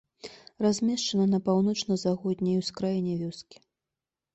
Размешчана на паўночна-заходняй ускраіне вёскі.